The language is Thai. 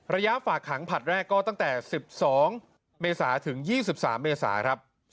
ฝากขังผลัดแรกก็ตั้งแต่๑๒เมษาถึง๒๓เมษาครับ